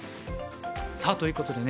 さあということでね